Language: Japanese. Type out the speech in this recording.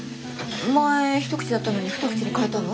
前一口だったのに二口に変えたの？